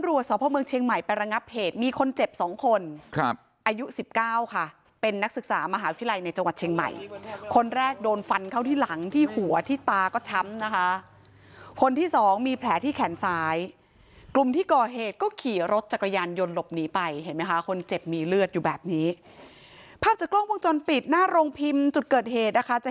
สพเมืองเชียงใหม่ไประงับเหตุมีคนเจ็บสองคนครับอายุสิบเก้าค่ะเป็นนักศึกษามหาวิทยาลัยในจังหวัดเชียงใหม่คนแรกโดนฟันเข้าที่หลังที่หัวที่ตาก็ช้ำนะคะคนที่สองมีแผลที่แขนซ้ายกลุ่มที่ก่อเหตุก็ขี่รถจักรยานยนต์หลบหนีไปเห็นไหมคะคนเจ็บมีเลือดอยู่แบบนี้ภาพจากกล้องวงจรปิดหน้าโรงพิมพ์จุดเกิดเหตุนะคะจะ